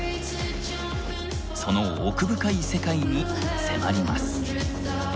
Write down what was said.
その奥深い世界に迫ります。